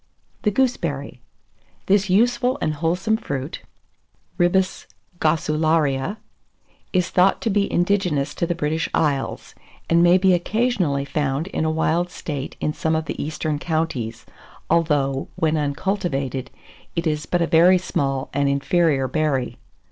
[Illustration: THE GOOSEBERRY.] THE GOOSEBERRY. This useful and wholesome fruit (Ribes grossularia) is thought to be indigenous to the British Isles, and may be occasionally found in a wild state in some of the eastern counties, although, when uncultivated, it is but a very small and inferior berry.